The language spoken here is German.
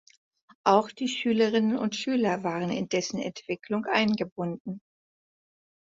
Auch die Schülerinnen und Schüler waren in dessen Entwicklung eingebunden.